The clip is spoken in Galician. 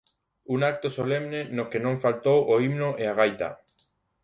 Un acto solemne no que non faltou o himno e a gaita.